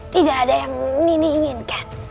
tidak ada yang nini inginkan